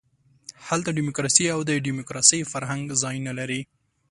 هلته ډیموکراسي او د ډیموکراسۍ فرهنګ ځای نه لري.